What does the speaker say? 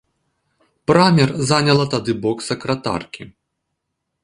Прамер заняла тады бок сакратаркі.